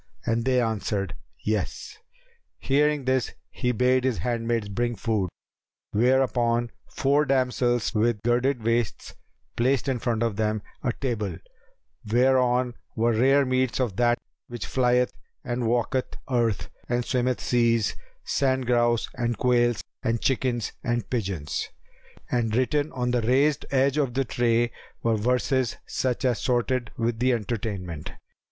and they answered, "Yes." Hearing this he bade his handmaids bring food, whereupon four damsels with girded waists placed in front of them a table, whereon were rare meats of that which flieth and walketh earth and swimmeth seas, sand grouse and quails and chickens and pigeons; and written on the raised edge of the tray were verses such as sorted with the entertainment.